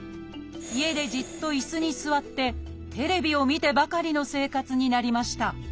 家でじっと椅子に座ってテレビを見てばかりの生活になりました。